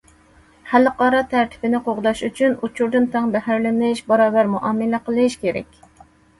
خەلقئارا تەرتىپنى قوغداش ئۈچۈن ئۇچۇردىن تەڭ بەھرىلىنىش، باراۋەر مۇئامىلە قىلىش كېرەك.